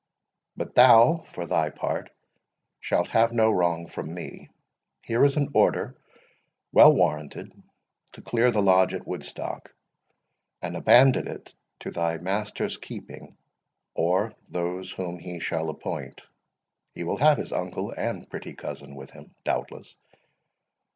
But thou, for thy part, shalt have no wrong from me. Here is an order, well warranted, to clear the Lodge at Woodstock, and abandon it to thy master's keeping, or those whom he shall appoint. He will have his uncle and pretty cousin with him, doubtless.